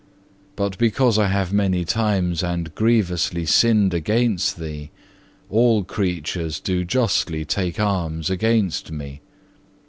But because I have many times and grievously sinned against Thee, all creatures do justly take arms against me.